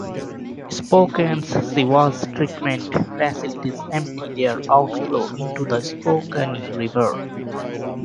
Spokane's sewage treatment facilities empty their outflow into the Spokane River.